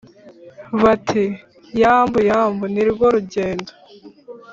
Bati " Yambu yambu nirwo rugendo !"